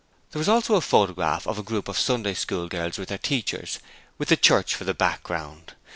There was also a photograph of a group of Sunday School girls with their teachers with the church for the background.